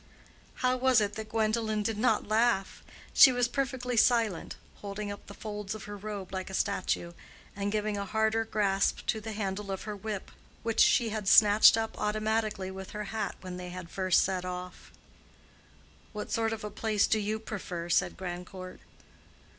How was it that Gwendolen did not laugh? She was perfectly silent, holding up the folds of her robe like a statue, and giving a harder grasp to the handle of her whip, which she had snatched up automatically with her hat when they had first set off. "What sort of a place do you prefer?" said Grandcourt.